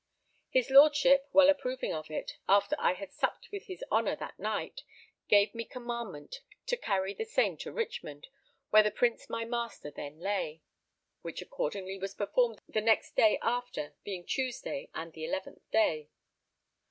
His Lordship, well approving of it, after I had supped with his honour that night, gave me commandment to carry the same to Richmond, where the Prince my master then lay; which accordingly was performed the next day after, being Tuesday and the 11th day.